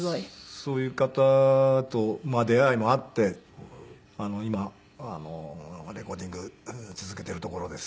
そういう方と出会いもあって今レコーディング続けているところです。